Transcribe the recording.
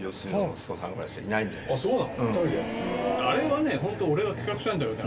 あれはねホント俺が企画したんだけどね